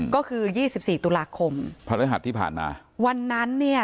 ก็คือยี่สิบสี่ตุลาคมพระฤหัสที่ผ่านมาวันนั้นเนี่ย